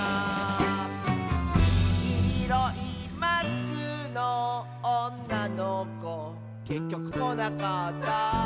「きいろいマスクのおんなのこ」「けっきょくこなかった」